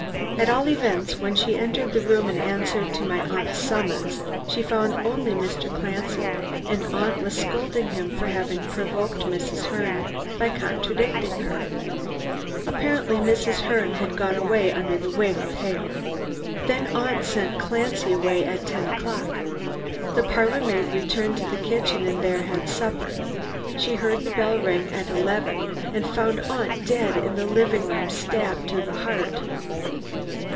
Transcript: At all events, when she entered the room in answer to my aunt's summons, she found only Mr. Clancy, and aunt was scolding him for having provoked Mrs. Herne by contradicting her. Apparently Mrs. Herne had gone away under the wing of Hale. Then aunt sent Clancy away at ten o'clock. The parlor maid returned to the kitchen and there had supper. She heard the bell ring at eleven, and found aunt dead in the sitting room, stabbed to the heart."